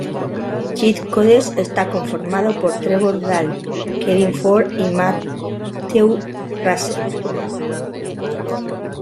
Cheat Codes está conformado por Trevor Dahl, Kevin Ford, y Matthew Russell.